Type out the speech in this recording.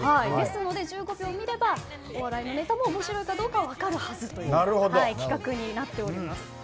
ですので１５秒見ればお笑いのネタも面白いかどうか分かるはずという企画になっております。